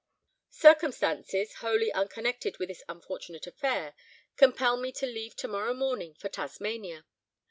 "Circumstances (wholly unconnected with this unfortunate affair) compel me to leave to morrow morning for Tasmania.